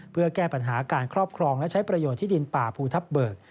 เพื่อแก้ปัญหาการครอบครองและใช้ประโยชน์ที่ดินป่าภูทับเบิก